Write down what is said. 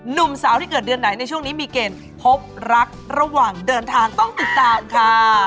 หนุ่มสาวที่เกิดเดือนไหนในช่วงนี้มีเกณฑ์พบรักระหว่างเดินทางต้องติดตามค่ะ